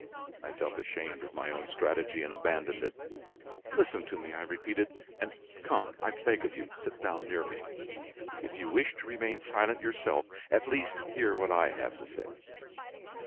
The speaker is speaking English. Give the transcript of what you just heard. I felt ashamed of my own strategy and abandoned it. "Listen to me," I repeated, "and come, I beg of you, sit down near me. If you wish to remain silent yourself, at least hear what I have to say."